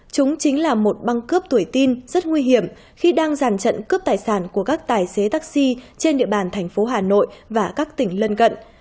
chúng chính là một băng cướp tuổi tin rất nguy hiểm khi đang giàn trận cướp tài sản của các tài xế taxi trên địa bàn thành phố hà nội và các tỉnh lân cận